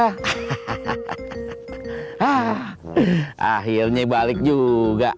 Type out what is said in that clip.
ah akhirnya balik juga